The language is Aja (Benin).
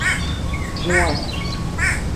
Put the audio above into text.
Hwe.